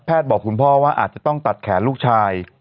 บอกคุณพ่อว่าอาจจะต้องตัดแขนลูกชาย